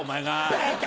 バカ！